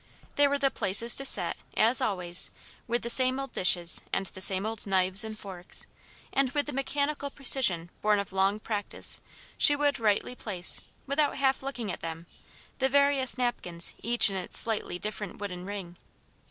There were the places to set, as always, with the same old dishes and the same old knives and forks; and with the mechanical precision born of long practice she would rightly place, without half looking at them, the various napkins each in its slightly different wooden ring.